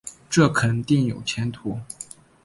这肯定有前途